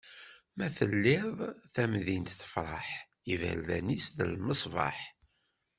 Ma telliḍ tamdint tefreḥ, iberdan-is d lmesbaḥ.